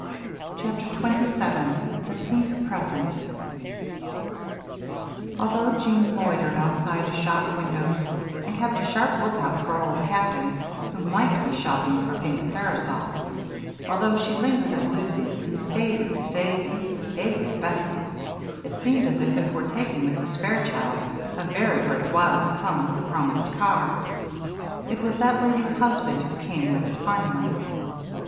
CHAPTER XXVII THE PINK PRESENT Although Jeanne loitered outside shop windows and kept a sharp lookout for Old Captain, who might be shopping for pink parasols, although she lingered at Lucy's and stayed and stayed and stayed at Bessie's, it seemed as if it were taking Mrs. Fairchild a very great while to come with the promised car. It was that lady's husband who came with it finally.